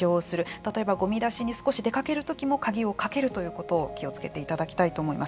例えば、ごみ出しに少し出かけるときも鍵をかけるということに気をつけていただきたいと思います。